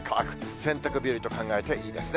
洗濯日和と考えていいですね。